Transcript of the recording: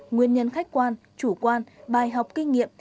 nguyên nhân khách quan chủ quan bài học kinh nghiệm